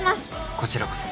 こちらこそ。